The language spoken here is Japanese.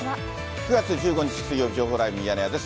９月１５日水曜日、情報ライブミヤネ屋です。